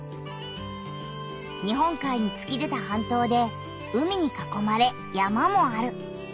日本海につき出た半島で海にかこまれ山もある。